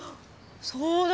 そうだ！